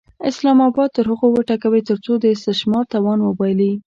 اسلام اباد تر هغو وټکوئ ترڅو د استثمار توان وبایلي.